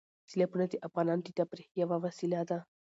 سیلابونه د افغانانو د تفریح یوه وسیله ده.